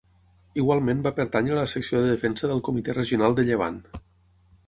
Igualment va pertànyer a la Secció de Defensa del Comité Regional de Llevant.